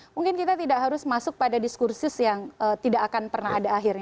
mungkin kita tidak harus masuk pada diskursus yang tidak akan pernah ada akhirnya